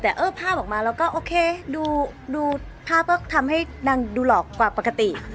แต่เออภาพออกมาแล้วก็โอเคดูภาพก็ทำให้นางดูหลอกกว่าปกติ